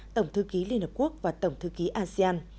tổng thư ký liên hợp quốc và tổng thư ký asean